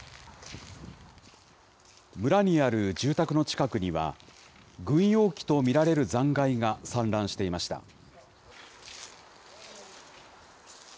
村にある住宅の近くには、軍用機と見られる残骸が散乱していました。